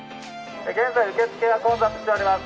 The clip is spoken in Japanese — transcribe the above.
現在、受付は混雑しております。